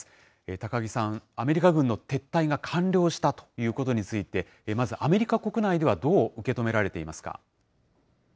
高木さん、アメリカ軍の撤退が完了したということについて、まず、アメリカ国内ではどう受け止められていますか。